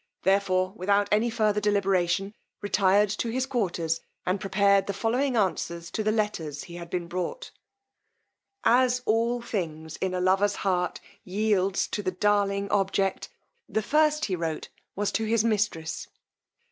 Therefore, without any further deliberation, retired to his quarters, and prepared the following answers to the letters had been brought him. As all things in a lover's heart yields to the darling object, the first he wrote was to his mistress.